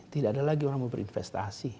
tidak ada lagi orang mau berinvestasi